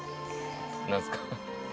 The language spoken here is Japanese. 何すか？